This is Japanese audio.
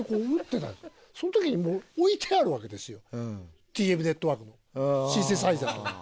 その時にもう置いてあるわけですよＴＭＮＥＴＷＯＲＫのシンセサイザーが。